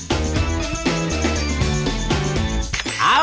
ไม่ใช่วัดกั้น